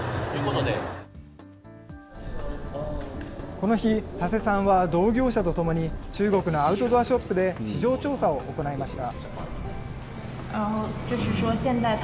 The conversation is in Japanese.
この日、田瀬さんは同業者と共に、中国のアウトドアショップで市場調査を行いました。